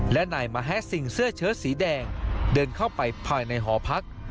และนายมาแฮสซิงเสื้อเชิดสีแดงเดินเข้าไปภายในหอพัก